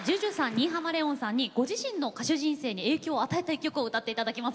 新浜レオンさんにご自身の歌手人生に影響を与えた一曲を歌って頂きます。